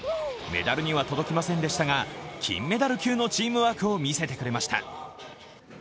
メダルには届きませんでしたが金メダル級のチームワークを見せてくれました。